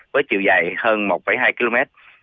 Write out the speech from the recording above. với chiều dài hơn một hai km